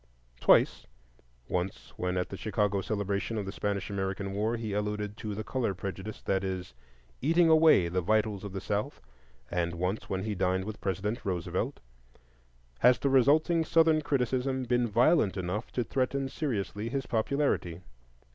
Twice—once when at the Chicago celebration of the Spanish American War he alluded to the color prejudice that is "eating away the vitals of the South," and once when he dined with President Roosevelt—has the resulting Southern criticism been violent enough to threaten seriously his popularity.